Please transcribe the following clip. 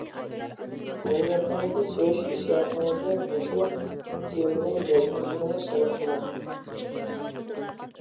مىللىتىڭىزنى سۆيۈش ھېسسىياتىڭىزنى مۇشۇ تېمىنى يازغۇچىغىمۇ سەرپ قىلىڭ.